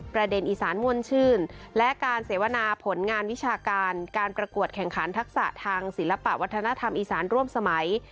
ประเด็นอีสานมวลชื่นและการเสวนาผลงานวิชาการการประกวดแข่งขันทักษะทางศิลปะวัฒนธรรมอีสานร่วมสมัย